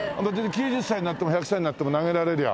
９０歳になっても１００歳になっても投げられりゃ